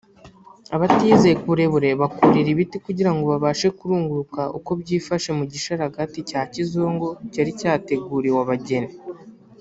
abatiyizeye ku burebure bakurira ibiti kugira ngo babashe kurunguruka uko byifashe mu gisharagati cya kizungu cyari cyateguriwe abageni